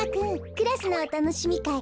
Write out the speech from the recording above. クラスのおたのしみかい